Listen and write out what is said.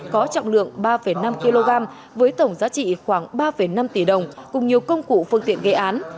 có trọng lượng ba năm kg với tổng giá trị khoảng ba năm tỷ đồng cùng nhiều công cụ phương tiện gây án